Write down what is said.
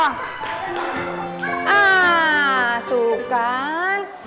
hah tuh kan